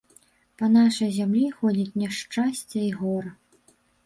Па нашай зямлі ходзіць няшчасце і гора.